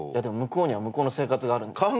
でも向こうには向こうの生活があるんで。